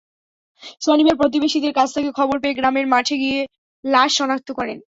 শনিবার প্রতিবেশীদের কাছ থেকে খবর পেয়ে গ্রামের মাঠে গিয়ে লাশ শনাক্ত করেন।